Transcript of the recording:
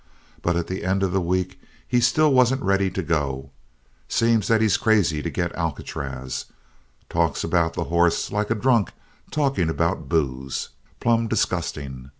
But at the end of the week he still wasn't ready to go. Seems that he's crazy to get Alcatraz. Talks about the horse like a drunk talking about booze. Plumb disgusting.